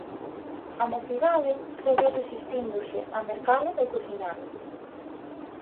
A mocidade segue resistíndose a mercalo e cociñalo.